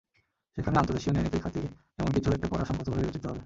সেখানে আন্তদেশীয় ন্যায়নীতির খাতিরে এমন কিছু একটা করা সংগত বলে বিবেচিত হবে।